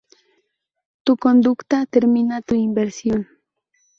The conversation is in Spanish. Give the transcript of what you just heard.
Tu conducta determina tu inversión.